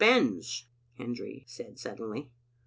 Hendry said suddenly.